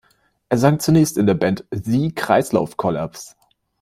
Er sang zunächst in der Band The Kreislaufkollaps.